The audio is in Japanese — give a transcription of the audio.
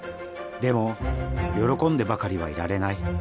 でも喜んでばかりはいられない。